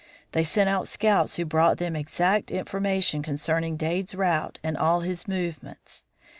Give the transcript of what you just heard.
They sent out scouts who brought them exact information concerning Dade's route and all his movements.